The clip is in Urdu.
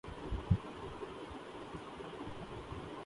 ادھر سوشل میڈیا پر بھی یورپی لوگ پاغل ہوئے بیٹھے ہیں